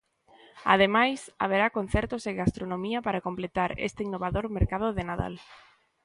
Ademais, haberá concertos e gastronomía para completar este innovador mercado de Nadal.